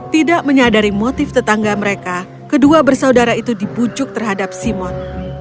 tidak menyadari motif tetangga mereka kedua bersaudara itu dibujuk terhadap simon